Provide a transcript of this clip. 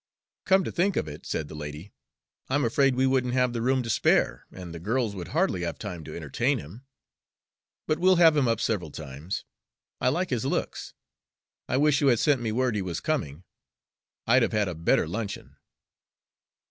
"Come to think of it," said the lady, "I'm afraid we wouldn't have the room to spare, and the girls would hardly have time to entertain him. But we'll have him up several times. I like his looks. I wish you had sent me word he was coming; I'd have had a better luncheon."